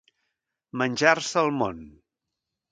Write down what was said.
Menjar-se el món.